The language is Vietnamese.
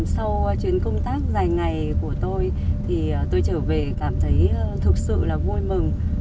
sau chuyến công tác dài ngày của tôi thì tôi trở về cảm thấy thực sự là vui mừng